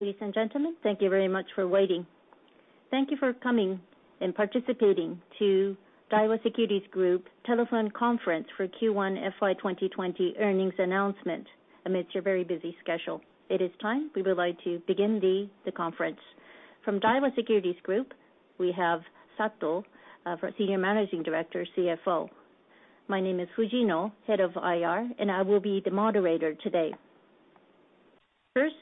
Ladies and gentlemen, thank you very much for waiting. Thank you for coming and participating to Daiwa Securities Group Telephone Conference for Q1 FY 2020 Earnings Announcement amidst your very busy schedule. It is time. We would like to begin the conference. From Daiwa Securities Group, we have Sato, our Senior Managing Director CFO. My name is Fujino, Head of IR, and I will be the moderator today. First,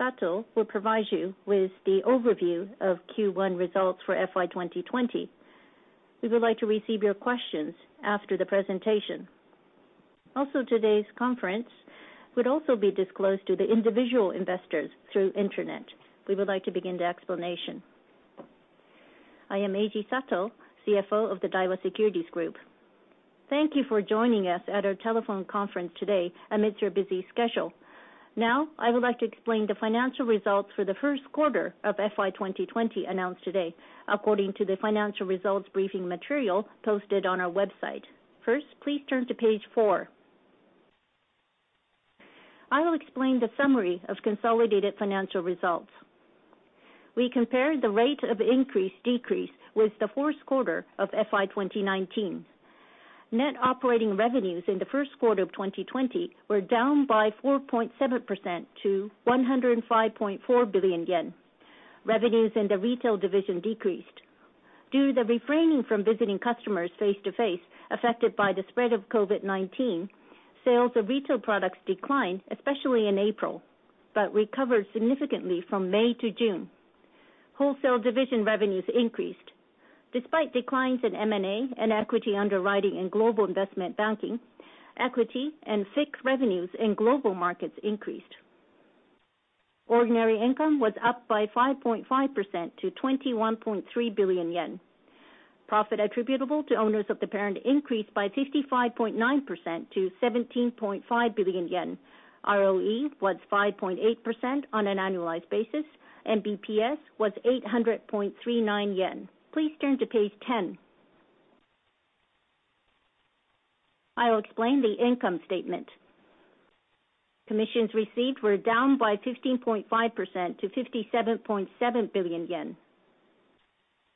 Sato will provide you with the overview of Q1 results for FY 2020. We would like to receive your questions after the presentation. Today's conference would also be disclosed to the individual investors through internet. We would like to begin the explanation. I am Eiji Sato, CFO of the Daiwa Securities Group. Thank you for joining us at our telephone conference today amidst your busy schedule. I would like to explain the financial results for the first quarter of FY 2020 announced today according to the financial results briefing material posted on our website. Please turn to page four. I will explain the summary of consolidated financial results. We compared the rate of increase/decrease with the fourth quarter of FY 2019. Net operating revenues in the first quarter of 2020 were down by 4.7% to 105.4 billion yen. Revenues in the Retail division decreased. Due to refraining from visiting customers face-to-face affected by the spread of COVID-19, sales of retail products declined, especially in April, but recovered significantly from May-June. Wholesale division revenues increased. Despite declines in M&A and equity underwriting and global investment banking, equity and FICC revenues in global markets increased. Ordinary income was up by 5.5% to 21.3 billion yen. Profit attributable to owners of the parent increased by 55.9% to 17.5 billion yen. ROE was 5.8% on an annualized basis, and BPS was 800.39 yen. Please turn to page 10. I will explain the income statement. Commissions received were down by 15.5% to 57.7 billion yen.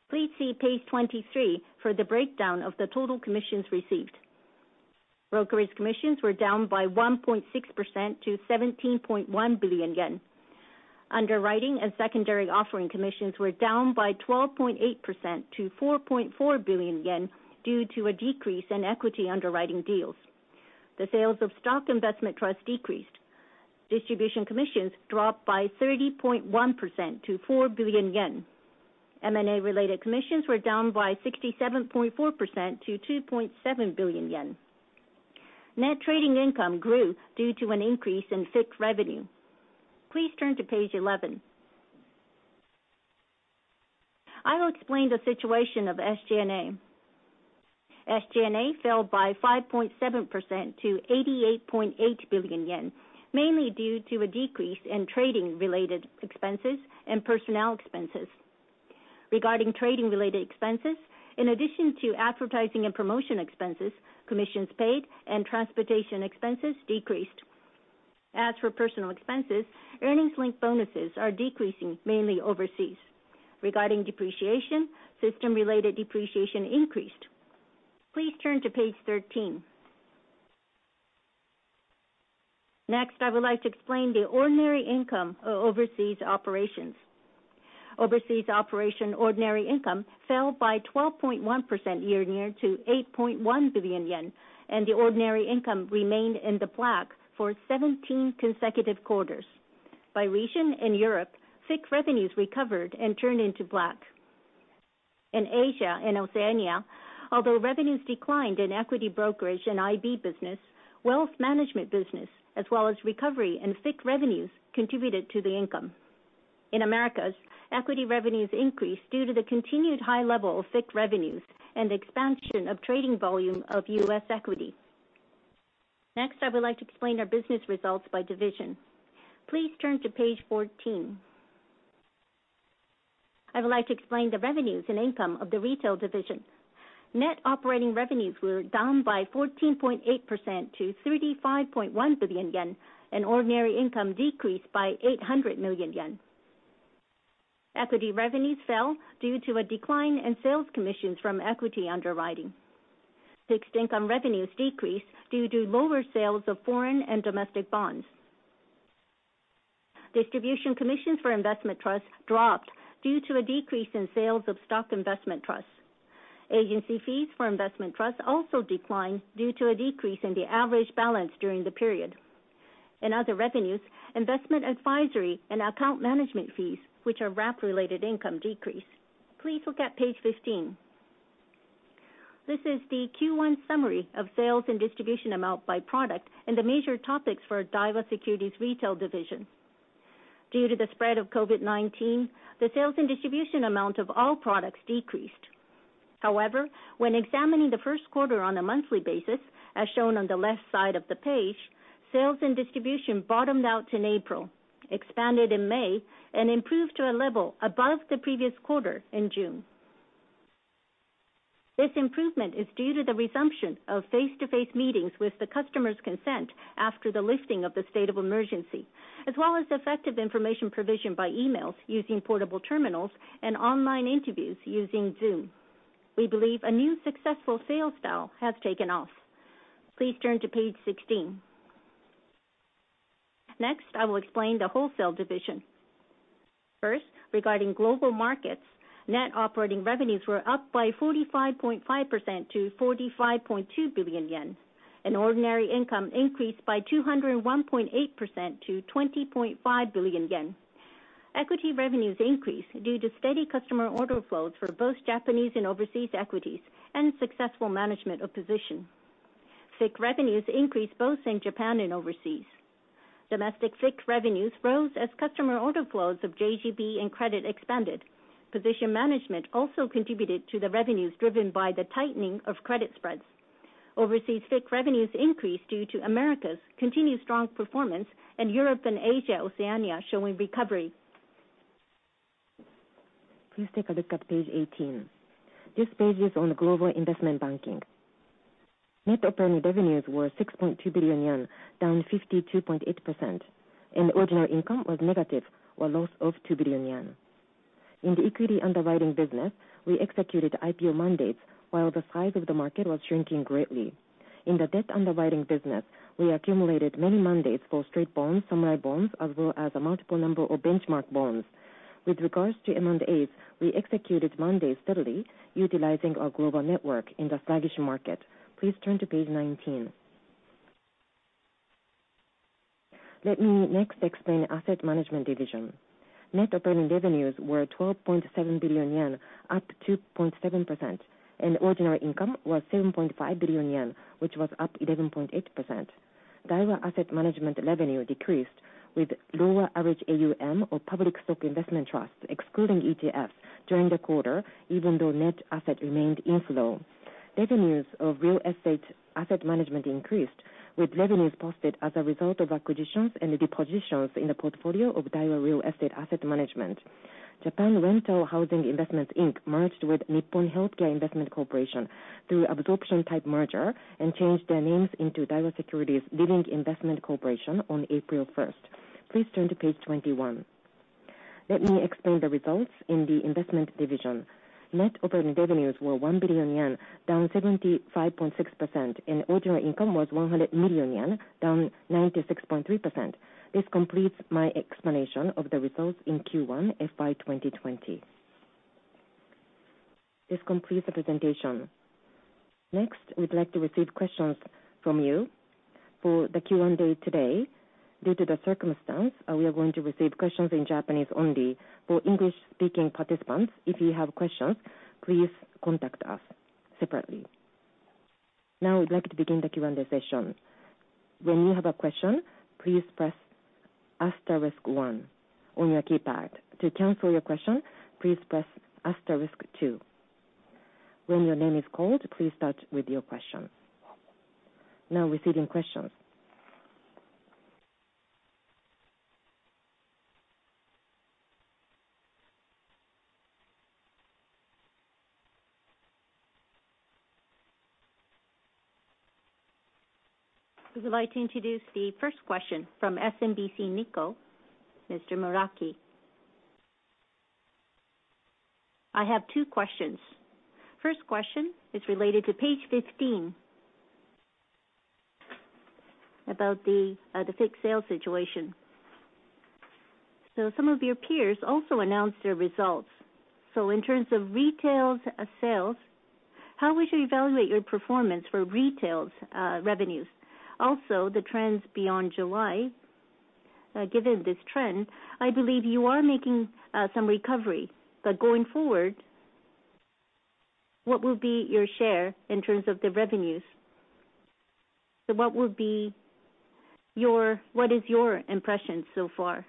Please see page 23 for the breakdown of the total commissions received. Brokerage commissions were down by 1.6% to 17.1 billion yen. Underwriting and secondary offering commissions were down by 12.8% to 4.4 billion yen due to a decrease in equity underwriting deals. The sales of stock investment trusts decreased. Distribution commissions dropped by 30.1% to 4 billion yen. M&A related commissions were down by 67.4% to 2.7 billion yen. Net trading income grew due to an increase in FICC revenue. Please turn to page 11. I will explain the situation of SG&A. SG&A fell by 5.7% to 88.8 billion yen, mainly due to a decrease in trading-related expenses and personnel expenses. Regarding trading-related expenses, in addition to advertising and promotion expenses, commissions paid and transportation expenses decreased. As for personnel expenses, earnings-linked bonuses are decreasing mainly overseas. Regarding depreciation, system-related depreciation increased. Please turn to page 13. Next, I would like to explain the ordinary income of overseas operations. Overseas operation ordinary income fell by 12.1% year-on-year to 8.1 billion yen, and the ordinary income remained in the black for 17 consecutive quarters. By region, in Europe, FICC revenues recovered and turned into black. In Asia and Oceania, although revenues declined in equity brokerage and IB business, wealth management business as well as recovery in FICC revenues contributed to the income. In Americas, equity revenues increased due to the continued high level of FICC revenues and expansion of trading volume of U.S. equity. Next, I would like to explain our business results by division. Please turn to page 14. I would like to explain the revenues and income of the Retail division. Net operating revenues were down by 14.8% to 35.1 billion yen, and ordinary income decreased by 800 million yen. Equity revenues fell due to a decline in sales commissions from equity underwriting. Fixed income revenues decreased due to lower sales of foreign and domestic bonds. Distribution commissions for investment trusts dropped due to a decrease in sales of stock investment trusts. Agency fees for investment trusts also declined due to a decrease in the average balance during the period. In other revenues, investment advisory and account management fees, which are wrap-related income, decreased. Please look at page 15. This is the Q1 summary of sales and distribution amount by product and the major topics for Daiwa Securities' Retail division. Due to the spread of COVID-19, the sales and distribution amount of all products decreased. When examining the first quarter on a monthly basis, as shown on the left side of the page, sales and distribution bottomed out in April, expanded in May, and improved to a level above the previous quarter in June. This improvement is due to the resumption of face-to-face meetings with the customer's consent after the lifting of the state of emergency, as well as effective information provision by emails using portable terminals and online interviews using Zoom. We believe a new successful sales style has taken off. Please turn to page 16. Next, I will explain the wholesale division. First, regarding global markets, net operating revenues were up by 45.5% to 45.2 billion yen. An ordinary income increased by 201.8% to 20.5 billion yen. Equity revenues increased due to steady customer order flows for both Japanese and overseas equities and successful management of position. FICC revenues increased both in Japan and overseas. Domestic FICC revenues rose as customer order flows of JGB and credit expanded. Position management also contributed to the revenues driven by the tightening of credit spreads. Overseas FICC revenues increased due to America's continued strong performance and Europe and Asia Oceania showing recovery. Please take a look at page 18. This page is on global investment banking. Net operating revenues were 6.2 billion yen, down 52.8%, ordinary income was negative or loss of 2 billion yen. In the equity underwriting business, we executed IPO mandates while the size of the market was shrinking greatly. In the debt underwriting business, we accumulated many mandates for straight bonds, samurai bonds, as well as a multiple number of benchmark bonds. With regards to M&As, we executed mandates steadily utilizing our global network in the sluggish market. Please turn to page 19. Let me next explain asset management division. Net operating revenues were 12.7 billion yen, up 2.7%, ordinary income was 7.5 billion yen, which was up 11.8%. Daiwa Asset Management revenue decreased with lower average AUM of public stock investment trusts, excluding ETFs, during the quarter, even though net asset remained inflow. Revenues of real estate asset management increased, with revenues posted as a result of acquisitions and dispositions in the portfolio of Daiwa Real Estate Asset Management. Japan Rental Housing Investments Inc. merged with Nippon Healthcare Investment Corporation through absorption-type merger and changed their names into Daiwa Securities Living Investment Corporation on April 1st 2020. Please turn to page 21. Let me explain the results in the investment division. Net operating revenues were 1 billion yen, down 75.6%, and ordinary income was 100 million yen, down 96.3%. This completes my explanation of the results in Q1 FY 2020. This completes the presentation. We'd like to receive questions from you. For the Q&A today, due to the circumstance, we are going to receive questions in Japanese only. For English-speaking participants, if you have questions, please contact us separately. We'd like to begin the Q&A session. When you have a question, please press asterisk one on your keypad. To cancel your question, please press asterisk two. When your name is called, please start with your question. Now receiving questions. We would like to introduce the first question from SMBC Nikko, Mr. Muraki. I have two questions. First question is related to page 15 about the fixed sale situation. Some of your peers also announced their results. In terms of retail sales, how would you evaluate your performance for retail's revenues? The trends beyond July. Given this trend, I believe you are making some recovery, but going forward, what will be your share in terms of the revenues? What is your impression so far?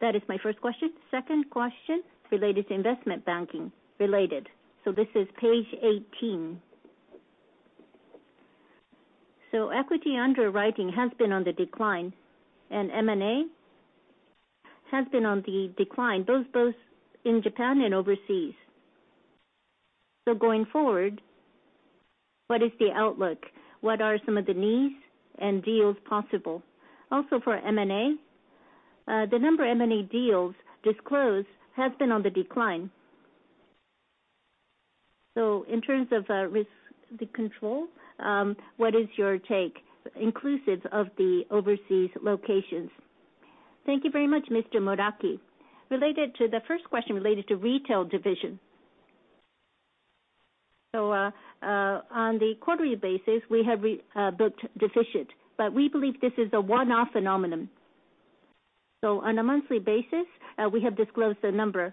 That is my first question. Second question related to investment banking. This is page 18. Equity underwriting has been on the decline, and M&A has been on the decline, both in Japan and overseas. Going forward, what is the outlook? What are some of the needs and deals possible? Also for M&A, the number of M&A deals disclosed has been on the decline. In terms of risk control, what is your take inclusive of the overseas locations? Thank you very much, Mr. Muraki. Related to the first question related to retail division. On the quarterly basis, we have booked deficit, but we believe this is a one-off phenomenon. On a monthly basis, we have disclosed the number.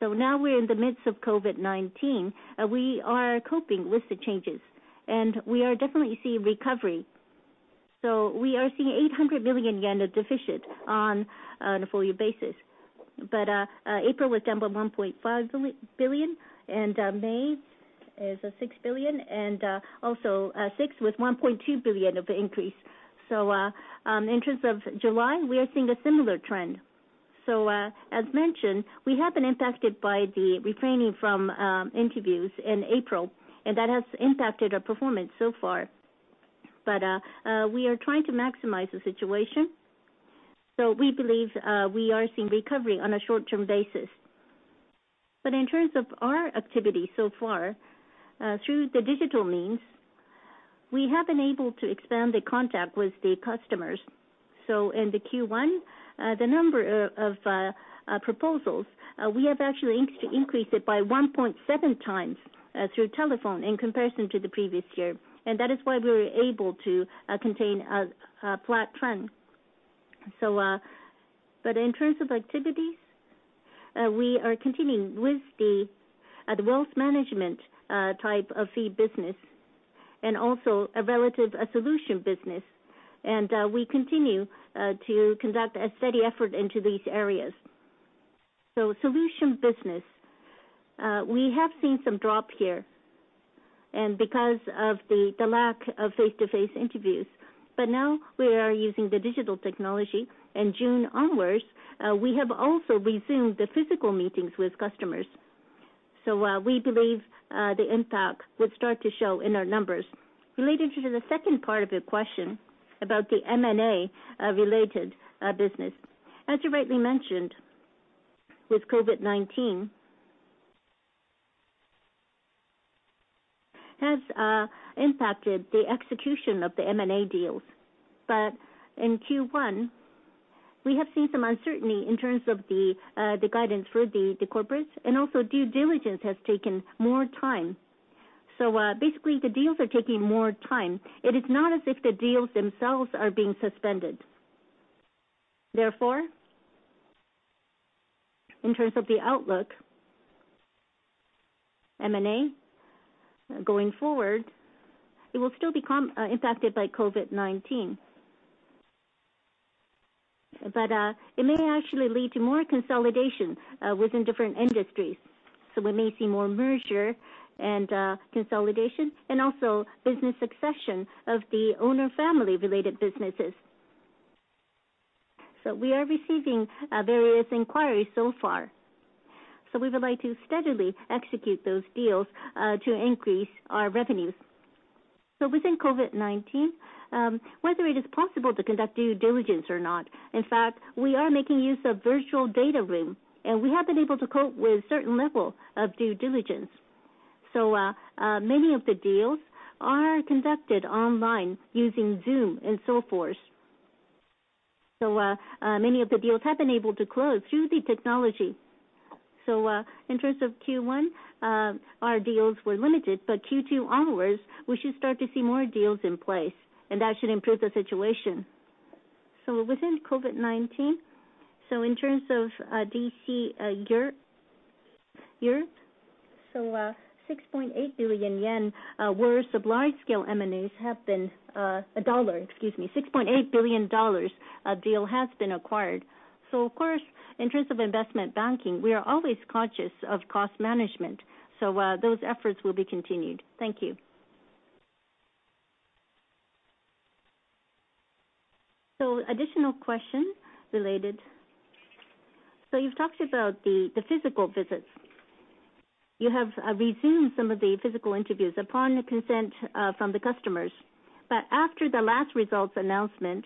Now we're in the midst of COVID-19. We are coping with the changes, and we are definitely seeing recovery. We are seeing 800 million yen of deficit on a full year basis. April was down by 1.5 billion, and May is 6 billion, and also June with 1.2 billion of increase. In terms of July, we are seeing a similar trend. As mentioned, we have been impacted by the refraining from interviews in April, and that has impacted our performance so far. We are trying to maximize the situation. We believe we are seeing recovery on a short-term basis. In terms of our activity so far, through the digital means, we have been able to expand the contact with the customers. In the Q1, the number of proposals, we have actually increased it by 1.7 times through telephone in comparison to the previous year, and that is why we were able to contain a flat trend. In terms of activities, we are continuing with the wealth management type of fee business and also a relative solution business, and we continue to conduct a steady effort into these areas. Solution business, we have seen some drop here because of the lack of face-to-face interviews. Now we are using the digital technology. In June onwards, we have also resumed the physical meetings with customers. We believe the impact would start to show in our numbers. Related to the second part of your question about the M&A related business, as you rightly mentioned, with COVID-19 has impacted the execution of the M&A deals. In Q1, we have seen some uncertainty in terms of the guidance for the corporates, and also due diligence has taken more time. Basically, the deals are taking more time. It is not as if the deals themselves are being suspended. Therefore, in terms of the outlook, M&A going forward, it will still be impacted by COVID-19. It may actually lead to more consolidation within different industries. We may see more merger and consolidation and also business succession of the owner family related businesses. We are receiving various inquiries so far. We would like to steadily execute those deals to increase our revenues. Within COVID-19, whether it is possible to conduct due diligence or not, in fact, we are making use of virtual data room, and we have been able to cope with certain level of due diligence. Many of the deals are conducted online using Zoom and so forth. Many of the deals have been able to close through the technology. In terms of Q1, our deals were limited, but Q2 onwards, we should start to see more deals in place, and that should improve the situation. Within COVID-19, in terms of DC year, 6.8 billion yen deal has been acquired. Of course, in terms of investment banking, we are always conscious of cost management. Those efforts will be continued. Thank you. Additional question related. You've talked about the physical visits. You have resumed some of the physical interviews upon the consent from the customers. After the last results announcement,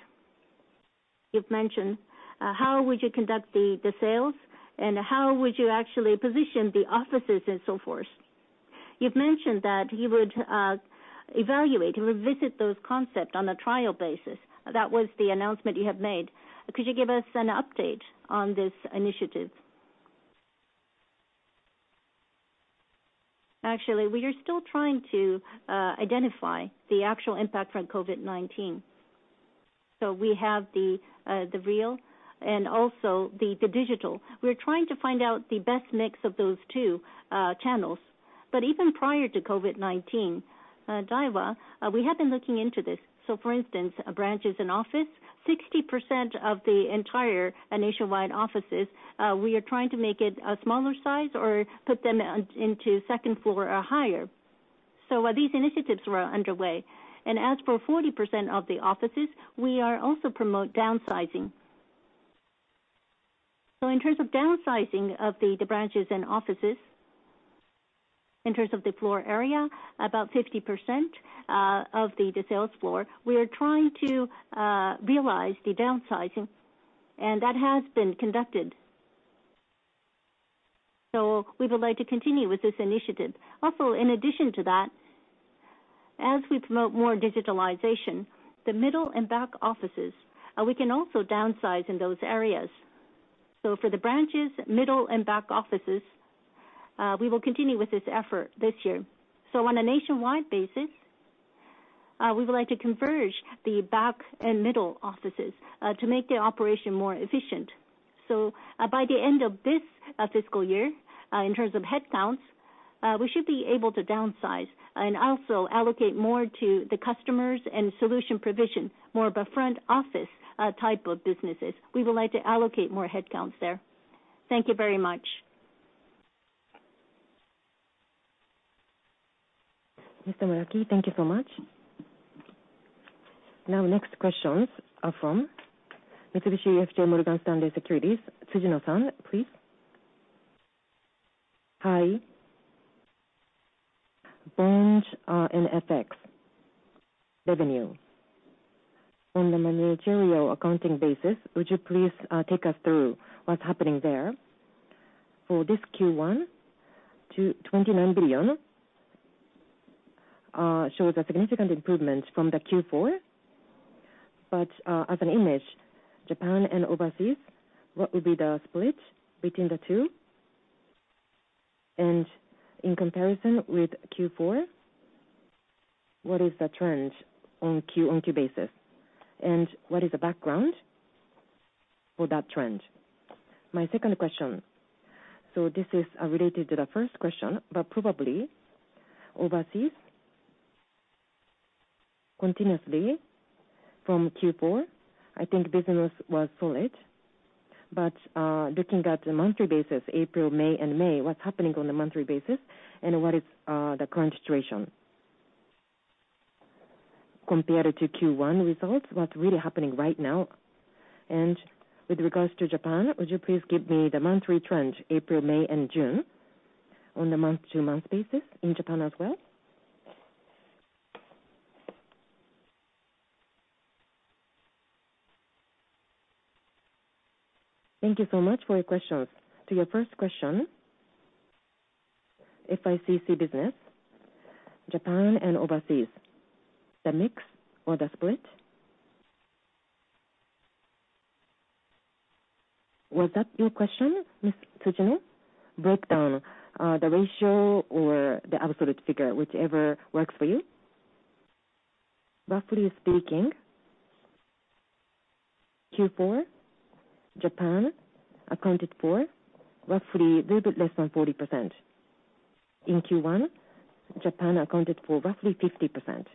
you've mentioned, how would you conduct the sales, and how would you actually position the offices and so forth? You've mentioned that you would evaluate, you would visit those concept on a trial basis. That was the announcement you have made. Could you give us an update on this initiative? Actually, we are still trying to identify the actual impact from COVID-19. We have the real and also the digital. We're trying to find out the best mix of those two channels. Even prior to COVID-19, Daiwa, we have been looking into this. For instance, branches and office, 60% of the entire nationwide offices, we are trying to make it a smaller size or put them into second floor or higher. These initiatives were underway. As for 40% of the offices, we are also promote downsizing. In terms of downsizing of the branches and offices, in terms of the floor area, about 50% of the sales floor, we are trying to realize the downsizing, and that has been conducted. We would like to continue with this initiative. In addition to that, as we promote more digitalization, the middle and back offices, we can also downsize in those areas. For the branches, middle and back offices, we will continue with this effort this year. On a nationwide basis, we would like to converge the back and middle offices to make the operation more efficient. By the end of this fiscal year, in terms of headcounts, we should be able to downsize and also allocate more to the customers and solution provision, more of a front office type of businesses. We would like to allocate more headcounts there. Thank you very much. Mr. Muraki, thank you so much. Now next questions are from Mitsubishi UFJ Morgan Stanley Securities, Tsujino San, please. Hi. Branch in FX revenue. On the managerial accounting basis, would you please take us through what's happening there? For this Q1 to 29 billion, shows a significant improvement from the Q4, but, as an image, Japan and overseas, what would be the split between the two? In comparison with Q4, what is the trend on Q-Q basis, and what is the background for that trend? My second question. This is related to the first question, but probably overseas continuously from Q4, I think business was solid. Looking at the monthly basis, April, May, and May, what's happening on the monthly basis and what is the current situation? Compared to Q1 results, what's really happening right now? With regards to Japan, would you please give me the monthly trend, April, May, and June on the month-to-month basis in Japan as well? Thank you so much for your questions. To your first question, FICC business, Japan and overseas. The mix or the split? Was that your question, Ms. Tsujino? Breakdown, the ratio or the absolute figure, whichever works for you. Roughly speaking, Q4, Japan accounted for roughly a little bit less than 40%. In Q1, Japan accounted for roughly 50%.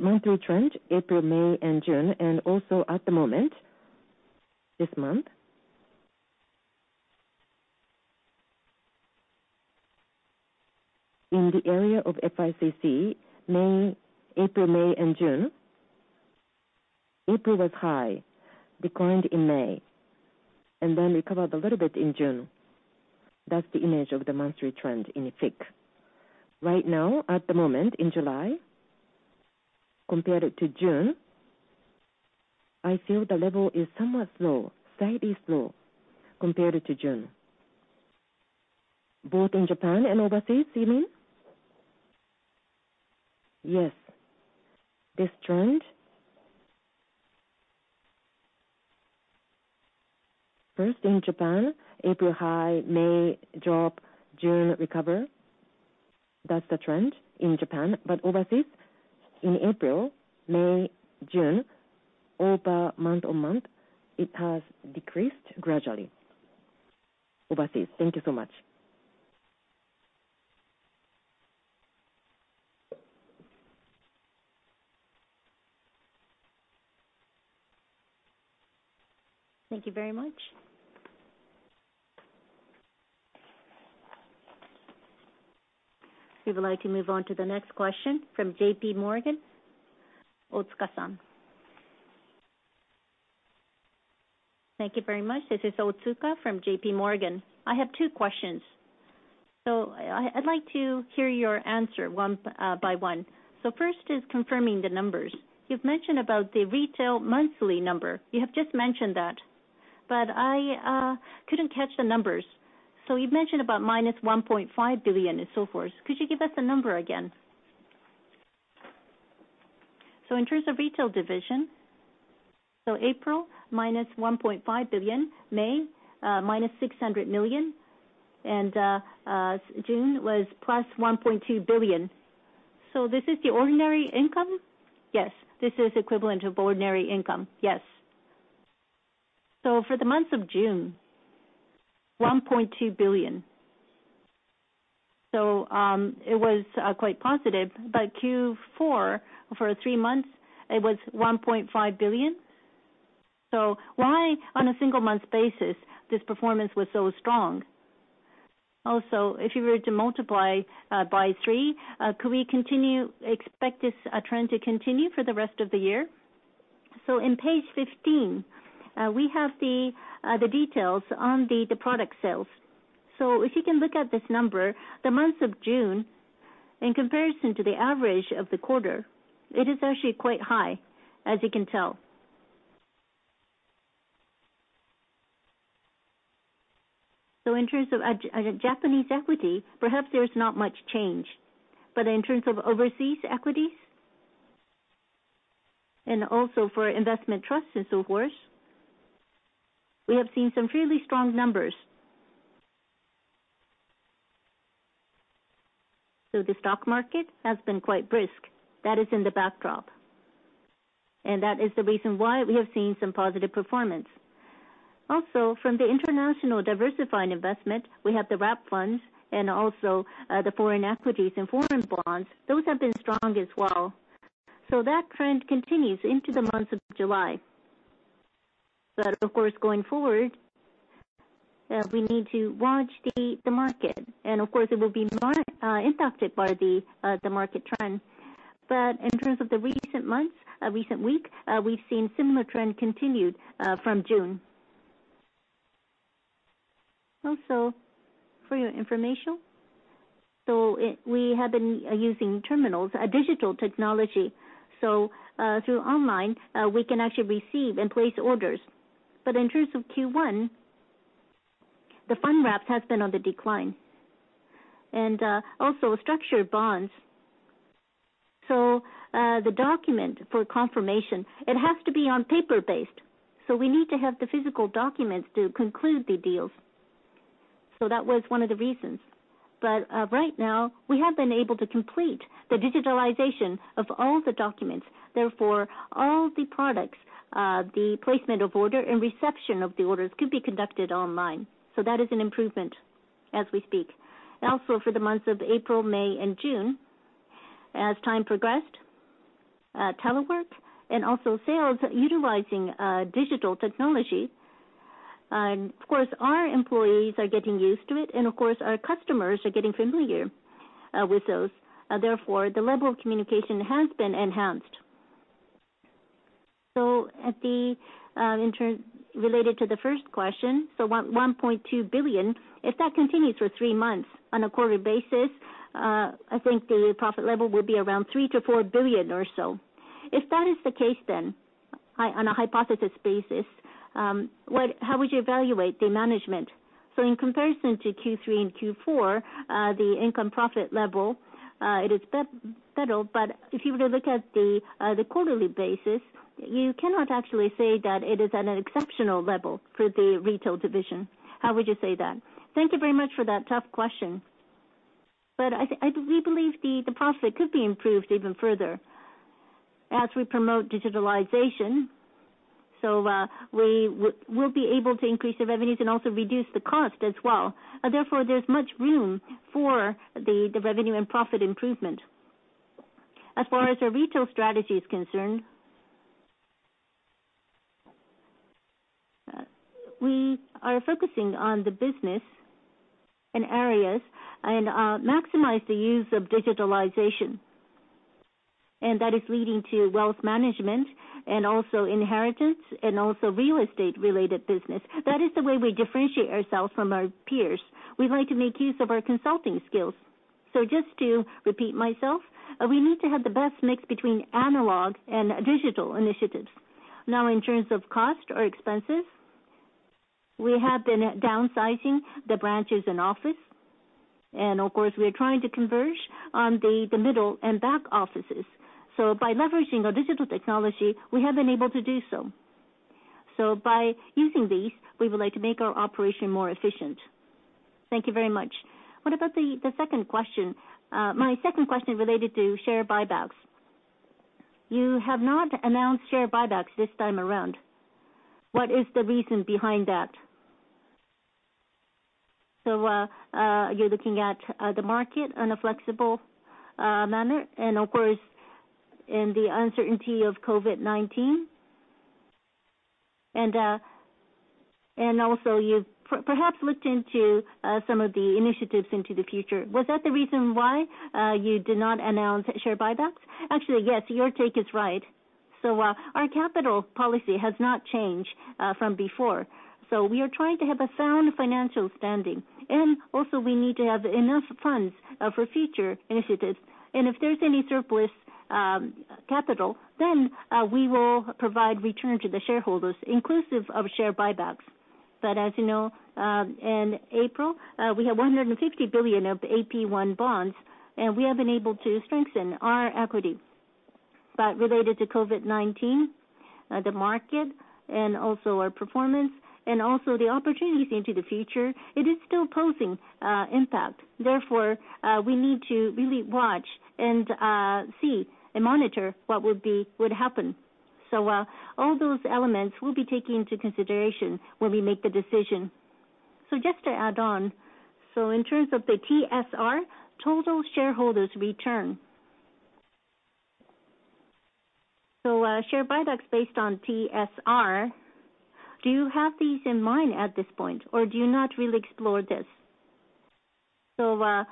Monthly trend, April, May, and June, and also at the moment, this month. In the area of FICC, April, May, and June, April was high, declined in May, and then recovered a little bit in June. That's the image of the monthly trend in FICC. Right now, at the moment in July, compared to June, I feel the level is somewhat low. Slightly slow compared to June. Both in Japan and overseas, you mean? Yes. This trend, first in Japan, April high, May drop, June recover. That's the trend in Japan. Overseas, in April, May, June, over month-on-month, it has decreased gradually overseas. Thank you so much. Thank you very much. We would like to move on to the next question from JPMorgan, Otsuka San. Thank you very much. This is Otsuka from JPMorgan. I have two questions. I'd like to hear your answer one by one. First is confirming the numbers. You've mentioned about the retail monthly number. You have just mentioned that, I couldn't catch the numbers. You've mentioned about minus 1.5 billion and so forth. Could you give us the number again? In terms of retail division, April, -1.5 billion, May, -600 million, and June was +1.2 billion. This is the ordinary income? Yes. This is equivalent to ordinary income. Yes. For the month of June, 1.2 billion. It was quite positive, but Q4 for three months, it was 1.5 billion. Why on a single month basis, this performance was so strong? Also, if you were to multiply by three, could we expect this trend to continue for the rest of the year? On page 15, we have the details on the product sales. If you can look at this number, the month of June, in comparison to the average of the quarter, it is actually quite high, as you can tell. In terms of Japanese equity, perhaps there's not much change. In terms of overseas equities, and also for investment trusts and so forth, we have seen some fairly strong numbers. The stock market has been quite brisk. That is in the backdrop, and that is the reason why we have seen some positive performance. Also, from the international diversifying investment, we have the wrap funds and also the foreign equities and foreign bonds. Those have been strong as well. That trend continues into the month of July. Of course, going forward, we need to watch the market. Of course, it will be more impacted by the market trend. In terms of the recent months, recent week, we've seen similar trend continued from June. Also, for your information, we have been using terminals, digital technology. Through online, we can actually receive and place orders. In terms of Q1, the fund wrap has been on the decline and also structured bonds. The document for confirmation, it has to be on paper-based, so we need to have the physical documents to conclude the deals. That was one of the reasons. Right now we have been able to complete the digitalization of all the documents, therefore, all the products, the placement of order and reception of the orders could be conducted online. That is an improvement as we speak. For the months of April, May, and June, as time progressed, telework and also sales utilizing digital technology, of course, our employees are getting used to it and of course, our customers are getting familiar with those. Therefore, the level of communication has been enhanced. Related to the first question, 1.2 billion, if that continues for three months on a quarterly basis, I think the profit level will be around 3 billion-4 billion or so. If that is the case, on a hypothesis basis, how would you evaluate the management? In comparison to Q3 and Q4, the income profit level, it is better, but if you were to look at the quarterly basis, you cannot actually say that it is at an exceptional level for the retail division. How would you say that? Thank you very much for that tough question. We believe the profit could be improved even further as we promote digitalization. We will be able to increase the revenues and also reduce the cost as well. Therefore, there's much room for the revenue and profit improvement. As far as our retail strategy is concerned, we are focusing on the business and areas and maximize the use of digitalization, and that is leading to wealth management and also inheritance and also real estate-related business. That is the way we differentiate ourselves from our peers. We'd like to make use of our consulting skills. Just to repeat myself, we need to have the best mix between analog and digital initiatives. Now in terms of cost or expenses, we have been downsizing the branches and office, and of course, we are trying to converge on the middle and back offices. By leveraging our digital technology, we have been able to do so. By using these, we would like to make our operation more efficient. Thank you very much. What about the second question? My second question related to share buybacks. You have not announced share buybacks this time around. What is the reason behind that? You're looking at the market in a flexible manner and of course, and the uncertainty of COVID-19, and also you've perhaps looked into some of the initiatives into the future. Was that the reason why you did not announce share buybacks? Actually, yes. Your take is right. Our capital policy has not changed from before. We are trying to have a sound financial standing, and also we need to have enough funds for future initiatives. If there's any surplus capital, then we will provide return to the shareholders, inclusive of share buybacks. As you know, in April, we had 150 billion of AT1 bonds, and we have been able to strengthen our equity. Related to COVID-19, the market and also our performance and also the opportunities into the future, it is still posing impact. We need to really watch and see and monitor what would happen. All those elements we'll be taking into consideration when we make the decision. Just to add on, in terms of the TSR, total shareholders return. Share buybacks based on TSR, do you have these in mind at this point or do you not really explore this? We're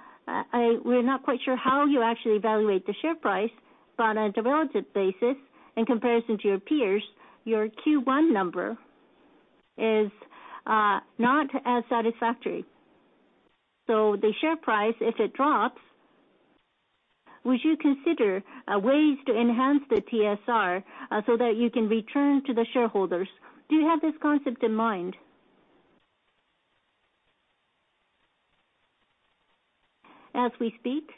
not quite sure how you actually evaluate the share price, but on a relative basis in comparison to your peers, your Q1 number is not as satisfactory. The share price, if it drops, would you consider ways to enhance the TSR so that you can return to the shareholders? Do you have this concept in mind? As we speak,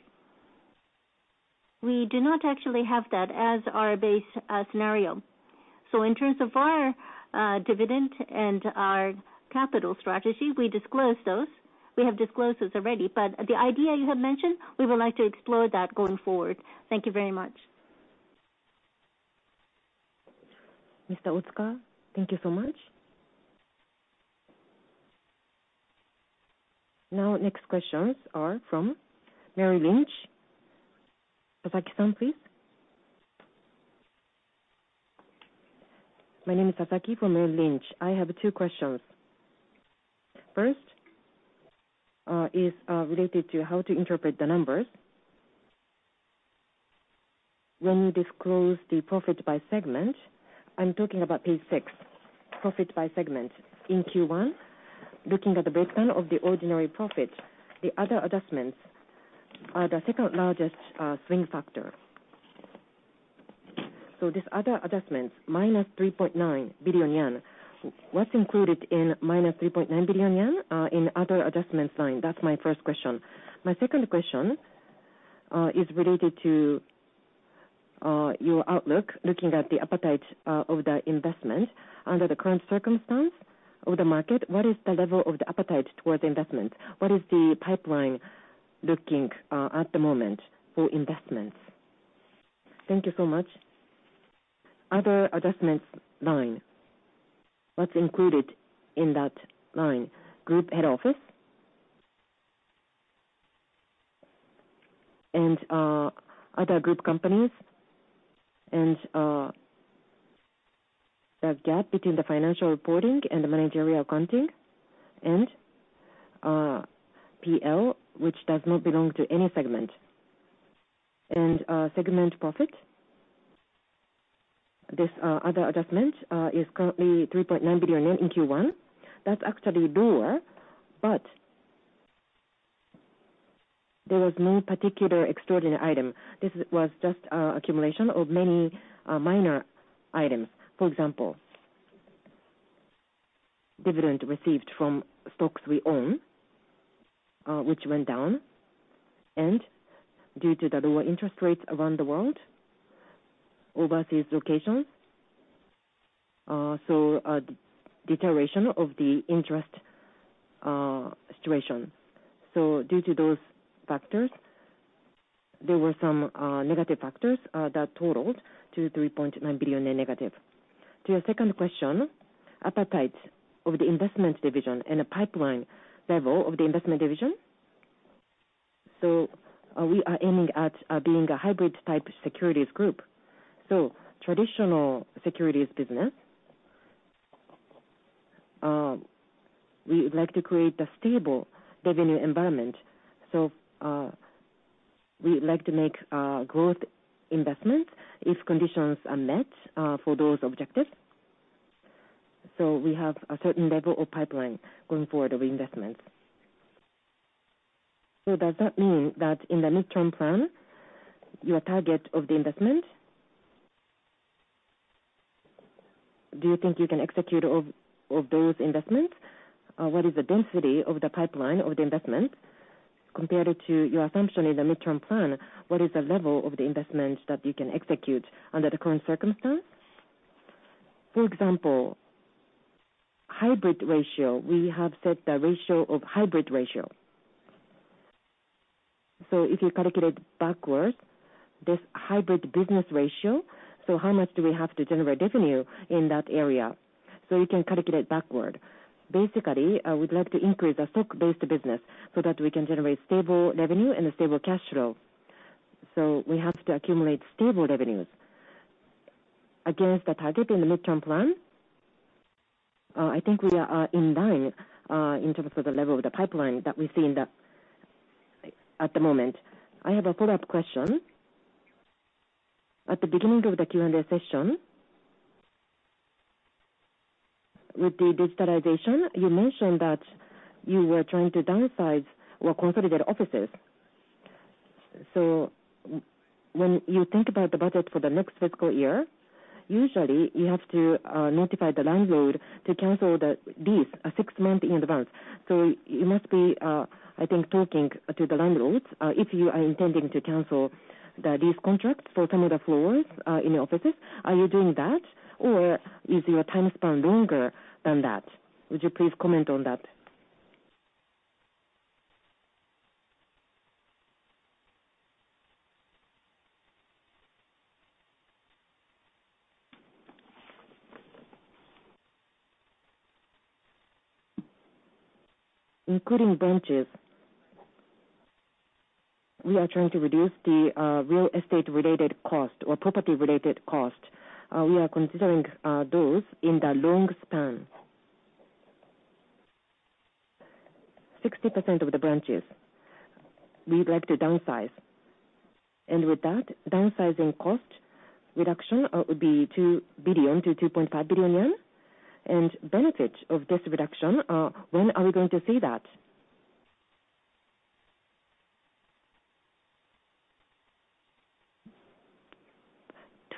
we do not actually have that as our base scenario. In terms of our dividend and our capital strategy, we disclose those. We have disclosed those already, but the idea you have mentioned, we would like to explore that going forward. Thank you very much. Mr. Otsuka, thank you so much. Next questions are from Merrill Lynch. Sasaki-san, please. My name is Sasaki from Merrill Lynch. I have two questions. First is related to how to interpret the numbers. When you disclose the profit by segment, I'm talking about page six, profit by segment. In Q1, looking at the breakdown of the ordinary profit, the other adjustments are the second-largest swing factor. These other adjustments, -3.9 billion yen. What's included in -3.9 billion yen in other adjustments line? That's my first question. My second question is related to your outlook. Looking at the appetite of the investment under the current circumstance of the market, what is the level of the appetite towards investment? What is the pipeline looking at the moment for investments? Thank you so much. Other adjustments line. What's included in that line? Group head office and other group companies, the gap between the financial reporting and the managerial accounting, and PL, which does not belong to any segment. Segment profit. This other adjustment is currently 3.9 billion yen in Q1. That's actually lower, there was no particular extraordinary item. This was just accumulation of many minor items. For example, dividend received from stocks we own, which went down, and due to the lower interest rates around the world, overseas locations. A deterioration of the interest situation. Due to those factors, there were some negative factors that totaled to 3.9 billion negative. To your second question, appetite of the investment division and the pipeline level of the investment division. We are aiming at being a hybrid-type securities group. Traditional securities business, we would like to create a stable revenue environment. We would like to make growth investment if conditions are met for those objectives. We have a certain level of pipeline going forward of investments. Does that mean that in the midterm plan, your target of the investment, do you think you can execute all of those investments? What is the density of the pipeline of the investment compared to your assumption in the midterm plan? What is the level of the investment that you can execute under the current circumstance? For example, hybrid ratio. We have set the ratio of hybrid ratio. If you calculate backwards, this hybrid business ratio, so how much do we have to generate revenue in that area? You can calculate backward. Basically, we'd like to increase the stock-based business so that we can generate stable revenue and a stable cash flow. We have to accumulate stable revenues. Against the target in the midterm plan, I think we are in line, in terms of the level of the pipeline that we see at the moment. I have a follow-up question. At the beginning of the Q&A session, with the digitalization, you mentioned that you were trying to downsize or consolidate offices. When you think about the budget for the next fiscal year, usually you have to notify the landlord to cancel the lease a six month in advance. You must be, I think, talking to the landlords, if you are intending to cancel the lease contracts for some of the floors, in the offices. Are you doing that, or is your time span longer than that? Would you please comment on that? Including branches, we are trying to reduce the real estate-related cost or property-related cost. We are considering those in the long span. 60% of the branches we would like to downsize. With that downsizing cost reduction would be 2 billion-2.5 billion yen? Benefit of this reduction, when are we going to see that?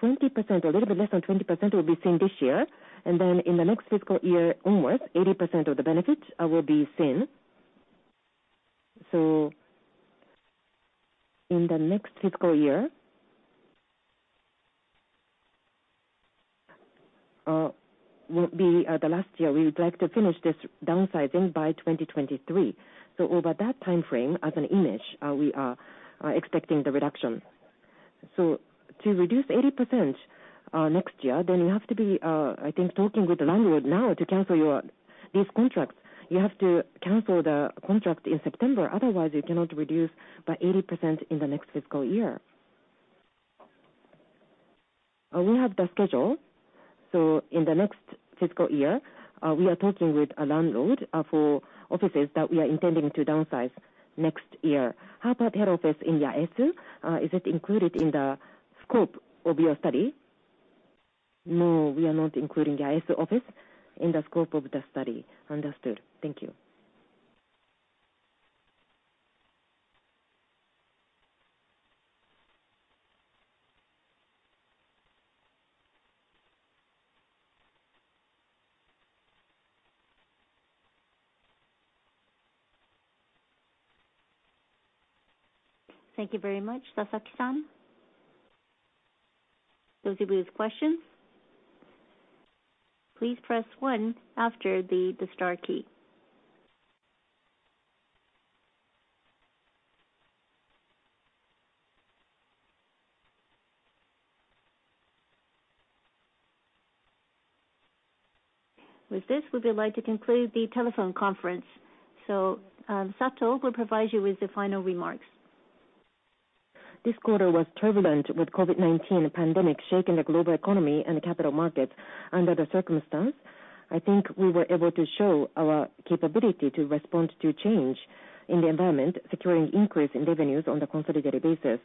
20%, a little bit less than 20% will be seen this year. In the next fiscal year onwards, 80% of the benefit will be seen. In the next fiscal year won't be the last year. We would like to finish this downsizing by 2023. Over that timeframe, as an image, we are expecting the reduction. To reduce 80% next year, then you have to be, I think, talking with the landlord now to cancel these contracts. You have to cancel the contract in September, otherwise you cannot reduce by 80% in the next fiscal year. We have the schedule. In the next fiscal year, we are talking with a landlord for offices that we are intending to downsize next year. How about head office in Yaesu? Is it included in the scope of your study? No, we are not including Yaesu office in the scope of the study. Understood. Thank you. Thank you very much, Sasaki-san. Those of you with questions, please press one after the star key. With this, we would like to conclude the telephone conference. Sato will provide you with the final remarks. This quarter was turbulent with COVID-19 pandemic shaking the global economy and capital markets. Under the circumstance, I think we were able to show our capability to respond to change in the environment, securing increase in revenues on the consolidated basis.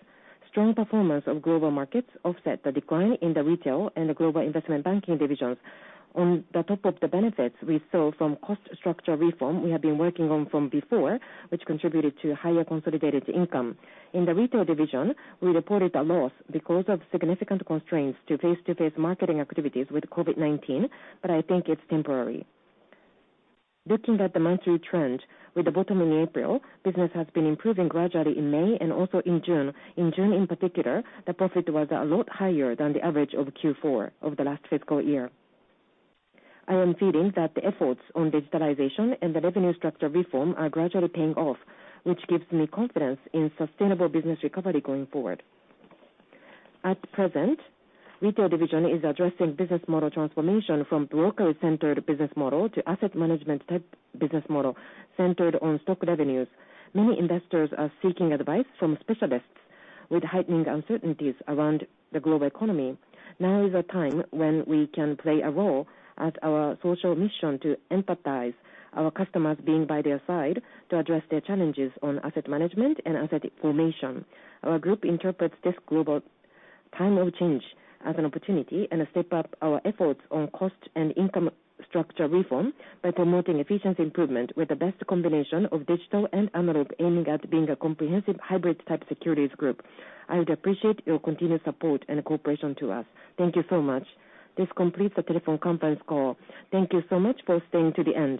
Strong performance of global markets offset the decline in the retail and the global investment banking divisions. On the top of the benefits we saw from cost structure reform we have been working on from before, which contributed to higher consolidated income. In the retail division, we reported a loss because of significant constraints to face-to-face marketing activities with COVID-19, but I think it's temporary. Looking at the monthly trend, with the bottom in April, business has been improving gradually in May and also in June. In June in particular, the profit was a lot higher than the average of Q4 of the last fiscal year. I am feeling that the efforts on digitalization and the revenue structure reform are gradually paying off, which gives me confidence in sustainable business recovery going forward. At present, retail division is addressing business model transformation from broker-centered business model to asset management type business model centered on stock revenues. Many investors are seeking advice from specialists with heightening uncertainties around the global economy. Now is a time when we can play a role as our social mission to empathize our customers being by their side to address their challenges on asset management and asset information. Our group interprets this global time of change as an opportunity and a step up our efforts on cost and income structure reform by promoting efficiency improvement with the best combination of digital and analog aiming at being a comprehensive hybrid type securities group. I would appreciate your continued support and cooperation to us. Thank you so much. This completes the telephone conference call. Thank you so much for staying to the end.